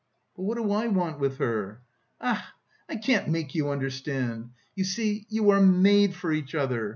"But what do I want with her?" "Ach, I can't make you understand! You see, you are made for each other!